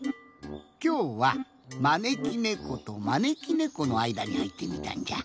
きょうはまねきねことまねきねこのあいだにはいってみたんじゃ。